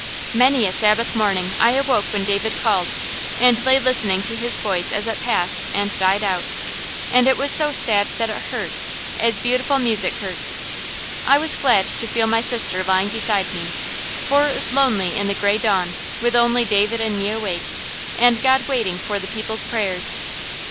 Many a Sabbath morning I awoke when David called, and lay listening to his voice as it passed and died out; and it was so sad that it hurt, as beautiful music hurts. I was glad to feel my sister lying beside me, for it was lonely in the gray dawn, with only David and me awake, and God waiting for the people's prayers.